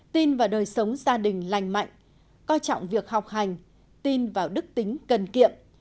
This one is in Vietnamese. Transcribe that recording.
tin vào đời sống gia đình lành mạnh coi trọng việc học hành tin vào đức tính cần kiệm